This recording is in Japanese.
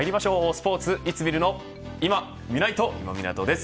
スポーツいつ見るの今見ないと、今湊です。